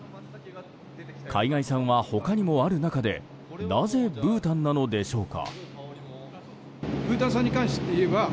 海外産は他にもある中でなぜブータンなのでしょうか。